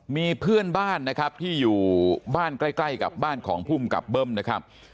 มีเพื่อนบ้านนะครับที่อยู่บ้านใกล้กับบ้านของภูมิกับเบิ้มนะครับ